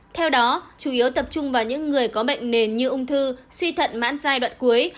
theo đó chủ yếu tập trung vào những người có bệnh nền như ung thư suy thận mãn giai đoạn cuối